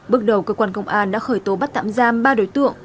bước đầu cơ quan công an đã khởi tố bắt tạm giam ba đối tượng